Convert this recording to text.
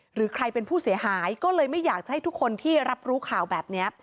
หรือใครเป็นผู้เสียหายก็เลยไม่อยากจะให้ทุกคนที่รับรู้ข่าวแบบนี้